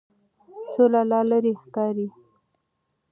سوله لا لرې ښکاري.